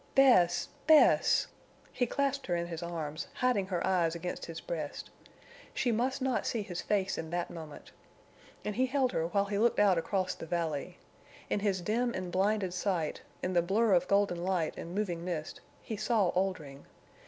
"Bess! Bess!" He clasped her in his arms, hiding her eyes against his breast. She must not see his face in that moment. And he held her while he looked out across the valley. In his dim and blinded sight, in the blur of golden light and moving mist, he saw Oldring.